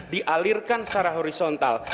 halirkan secara horizontal